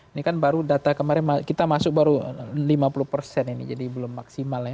ini kan baru data kemarin kita masuk baru lima puluh persen ini jadi belum maksimal ya